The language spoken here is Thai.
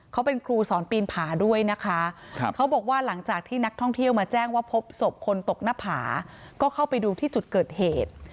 เขาเป็นครูสอนปีนผาด้วยนะคะเขาบอกว่าหลังจากที่นักท่องเที่ยวมาแจ้งว่าพบศพคนตกหน้าผาก็เข้าไปดูที่จุดเกิดเหตุ